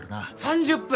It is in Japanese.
３０分！？